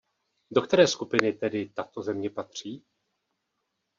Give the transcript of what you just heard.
Do které skupiny tedy tato země patří?